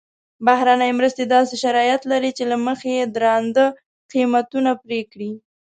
بهرنۍ مرستې داسې شرایط لري چې له مخې یې درانده قیمتونه پرې کړي.